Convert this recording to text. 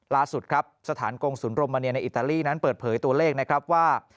ล่าสุดครับสถานกงศูนย์โรมาเนียในอิตาลีนั้นเปิดเผยตัวเลขนะครับว่า